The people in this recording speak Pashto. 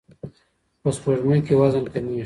په سپوږمۍ کې وزن کمیږي.